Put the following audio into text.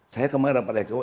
saya kemarin dapat exo